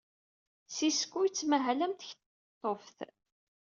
Sysko yettmahal am tkeḍḍuft.